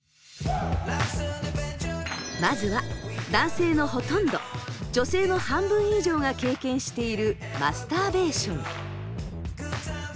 まずは男性のほとんど女性の半分以上が経験しているマスターベーション。